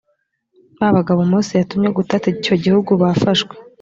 ba bagabo mose yatumye gutata icyo gihugu bafashwe